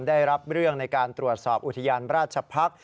ได้รับเรื่องในการตรวจสอบอุทยานราชพักษ์